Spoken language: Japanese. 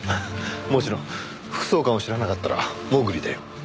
もちろん副総監を知らなかったらモグリだよ。